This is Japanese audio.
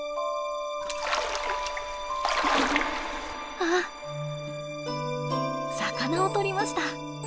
あっ魚をとりました。